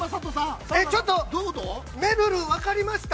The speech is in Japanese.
◆ちょっとめるる分かりました？